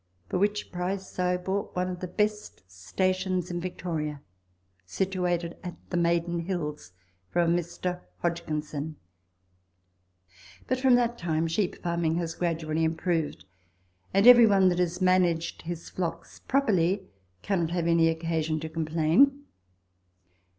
for which price I bought one of the best stations in Victoria, situated at the Maiden Hills, from a Mr. Hodgkinson ; but from that time sheep farming has gradually improved, and every one that has managed his flocks properly cannot have any occasion to complain.